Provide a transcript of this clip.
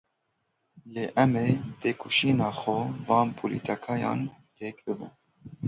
Lê em ê bi têkoşîna xwe van polîtîkayan têk bibin.